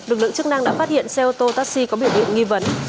lực lượng chức năng đã phát hiện xe ô tô taxi có biểu hiện nghi vấn